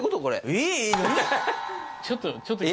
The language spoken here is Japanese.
えっ！？